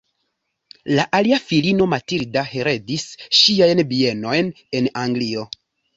La alia filino, Matilda, heredis ŝiajn bienojn en Anglio.